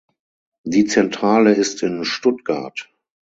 Die Zentrale ist in Stuttgart.